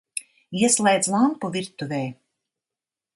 Ieslēdz lampu virtuvē!